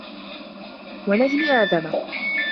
وَنَجْمِ آدَمَ